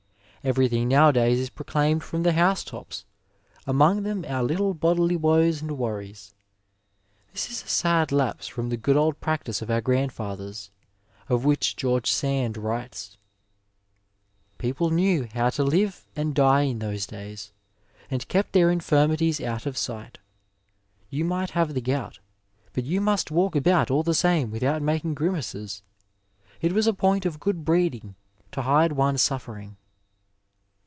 Ev^ything nowadays is proclaimed from the house tops, among them our little bodily woes and worries. This is a sad lapse from the good old practice of our grand X60 Digitized by VjOOQiC NURSE AND PATIENT fathers, of which George Sand writes, '^ People knew how to live and die in those days, and kept their infirmities ont of sight. Ton might have the gout, but you must walk about all the same without making grimaces. It was a point of good breeding to hide one's sufiering."